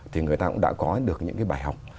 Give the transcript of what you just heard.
thì người ta cũng đã có được những cái bài học